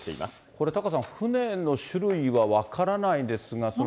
これ、タカさん、船の種類は分からないですが。